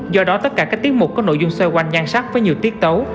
do đó tất cả các tiết mục có nội dung xoay quanh nhan sắc với nhiều tiết tấu